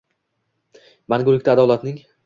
Mangulikka adolatning